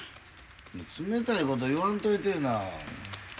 冷たいこと言わんといてえな。